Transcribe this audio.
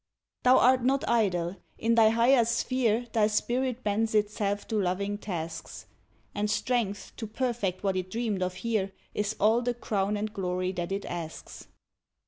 Thou art not idle: in thy higher sphere Thy spirit bends itself to loving tasks, And strength, to perfect what it dreamed of here Is all the crown and glory that it asks.